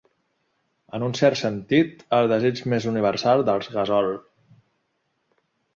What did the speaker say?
En un cert sentit, el desig més universal dels Gasol.